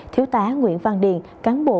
thiếu tá nguyễn văn điền cán bộ